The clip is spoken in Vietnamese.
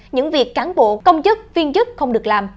những việc cán bộ công chức viên chức không được làm